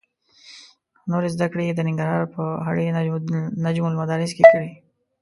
نورې زده کړې یې د ننګرهار په هډې نجم المدارس کې کړې.